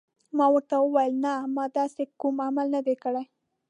ما ورته وویل: نه، ما داسې کوم عمل نه دی کړی.